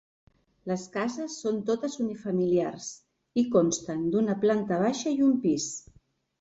Les cases són totes unifamiliars i consten d'una planta baixa i un pis.